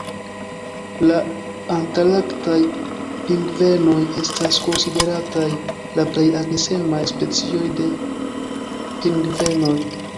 La Antarktaj pingvenoj estas konsiderataj la plej agresemaj specioj de pingvenoj.